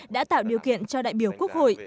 đã tạo điều kiện cho đại biểu quốc hội